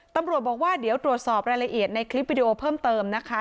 ตำรวจบอกว่าเดี๋ยวตรวจสอบรายละเอียดในคลิปวิดีโอเพิ่มเติมนะคะ